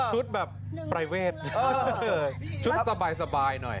ชุดแบบไปรเวชชุดสบายหน่อย